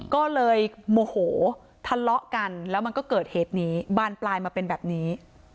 ก็เลยโมโหทะเลาะกันแล้วมันก็เกิดเหตุนี้บานปลายมาเป็นแบบนี้